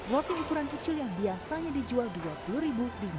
roti ukuran kecil yang biasanya dijual dua puluh ribu